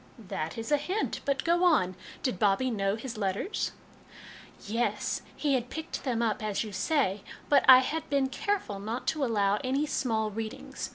" That is a hint. But go on ; did Bobbie know his letters ?"" Yes, he had picked them up, as you say ; but I had been careful not to allow any small readings.